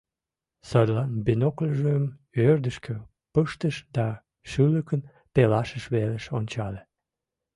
Садлан бинокльжым ӧрдыжкӧ пыштыш да шӱлыкын пелашыж велыш ончале.